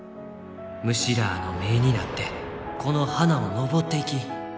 虫らあの目になってこの花を登っていき。